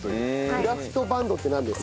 クラフトバンドってなんですか？